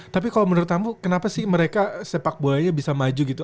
tapi kalau menurut kamu kenapa sih mereka sepak bolanya bisa maju gitu